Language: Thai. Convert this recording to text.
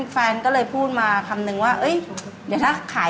แฟนก็เลยพูดมาคำนึงว่า